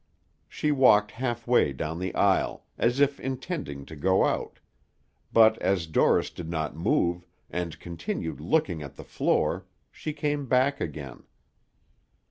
She walked half way down the aisle, as if intending to go out, but as Dorris did not move, and continued looking at the floor, she came back again.